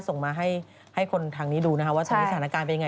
ส่งมาให้คนทางนี้ดูนะคะว่าตอนนี้สถานการณ์เป็นยังไง